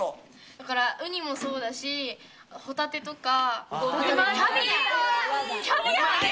「だからうにもそうだしホタテとかキャビア」「キャビアはね。